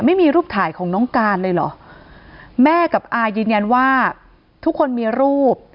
ไม่มีรูปถ่ายของน้องการเลยเหรอแม่กับอายืนยันว่าทุกคนมีรูป